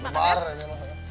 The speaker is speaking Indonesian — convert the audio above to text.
nanti dimakan ya